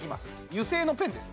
油性のペンです